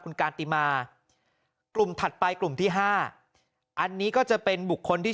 คุณการติมากลุ่มถัดไปกลุ่มที่๕อันนี้ก็จะเป็นบุคคลที่